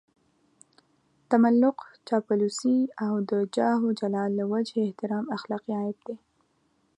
تملق، چاپلوسي او د جاه و جلال له وجهې احترام اخلاقي عيب دی.